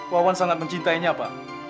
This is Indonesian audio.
wawan sangat mencintainya pak